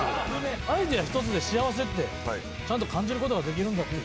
アイデア一つで幸せってちゃんと感じる事ができるんだという。